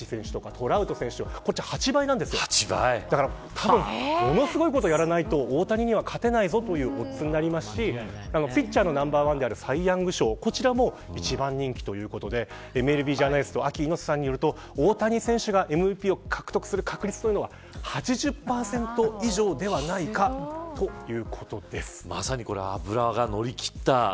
たぶん、ものすごいことをやらないと大谷には勝てないぞというオッズになりますしピッチャーのナンバーワンであるサイ・ヤング賞も一番人気ということでＭＬＢジャーナリストのＡＫＩ猪瀬さんによると大谷選手がＭＶＰを活躍する確率は８０％以上ではないかということです。